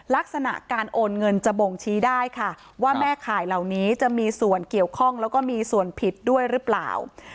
ลักษณะการโอนเงินจะบ่งชี้ได้ค่ะว่าแม่ข่ายเหล่านี้จะมีส่วนเกี่ยวข้องแล้วก็มีส่วนผิดด้วยหรือเปล่า